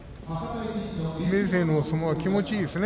明生の相撲は気持ちいいですね